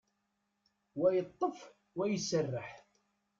Wa yeṭṭef, wa iserreḥ.